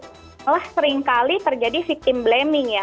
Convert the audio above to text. setelah sering kali terjadi victim blaming ya